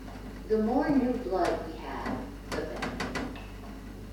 The more new blood we have, the better.